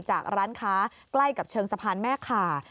ร้านค้าใกล้กับเชิงสะพานแม่ขา